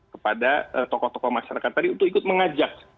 kepada tokoh tokoh masyarakat tadi untuk ikut mengajak